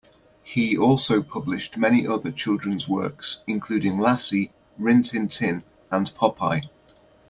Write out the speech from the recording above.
He also published many other children's works, including Lassie, Rin Tin Tin, and Popeye.